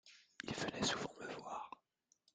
Il venait souvent me voir.